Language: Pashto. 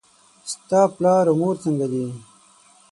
ستا پلار او مور څنګه دي؟